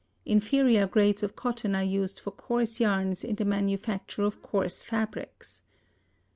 Inferior grades of cotton are used for coarse yarns in the manufacture of coarse fabrics.